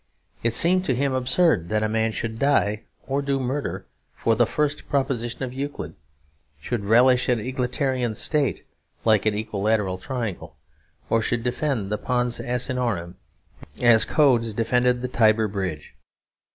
It seemed to him absurd that a man should die, or do murder, for the First Proposition of Euclid; should relish an egalitarian state like an equilateral triangle; or should defend the Pons Asinorum as Codes defended the Tiber bridge.